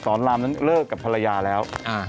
รามนั้นเลิกกับภรรยาแล้ว